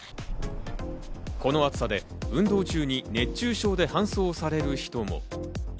この暑さで運動中に熱中症で搬送される人も。